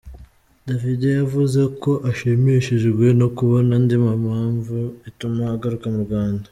Davido yavuze ko ashimishijwe no kubona indi mpamvu ituma agaruka mu Rwanda.